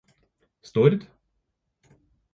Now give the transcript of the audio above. Stord